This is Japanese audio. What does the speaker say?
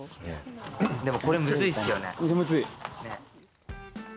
でもこれ、むずいっすよね。